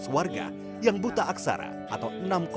warga yang buta aksara atau enam lima